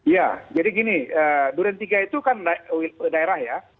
ya jadi gini duren tiga itu kan daerah ya